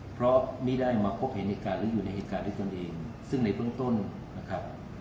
เพราะไม่ได้มาพบเห็นเหตุการณ์หรืออยู่ในเหตุการณ์ด้วยตนเองซึ่งในเบื้องต้นนะครับ